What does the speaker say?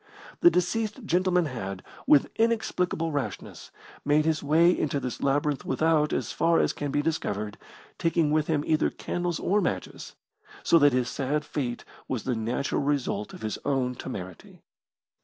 The deceased gentleman had, with inexplicable rashness, made his way into this labyrinth without, as far as can be discovered, taking with him either candles or matches, so that his sad fate was the natural result of his own temerity.